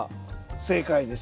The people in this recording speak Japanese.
正解です。